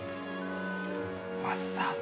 マスタード。